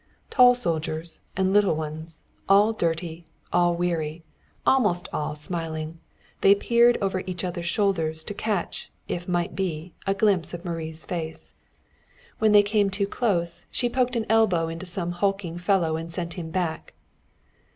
Tall soldiers and little ones, all dirty, all weary, almost all smiling, they peered over each other's shoulders, to catch, if might be, a glimpse of Marie's face. When they came too close she poked an elbow into some hulking fellow and sent him back.